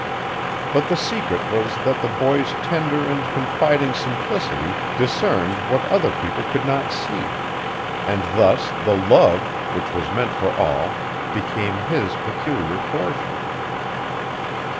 But the secret was that the boy's tender and confiding simplicity discerned what other people could not see; and thus the love, which was meant for all, became his peculiar portion.